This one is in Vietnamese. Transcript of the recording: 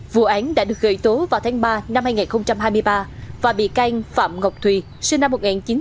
vụ án đã được khởi tố vào tháng ba năm hai nghìn hai mươi ba và bị can phạm ngọc thùy sinh năm một nghìn chín trăm tám mươi ba